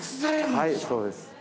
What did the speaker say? はいそうです。